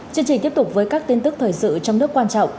chương trình tiếp tục với các tin tức thời sự trong nước quan trọng